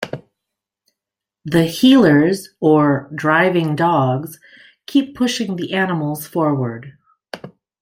The "heelers" or driving dogs keep pushing the animals forward.